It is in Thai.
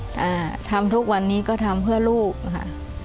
แต่ทำทุกวันนี้ก็ทำเพื่อลูกค่ะ